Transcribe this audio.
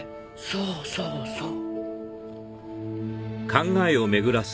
そうそうそう。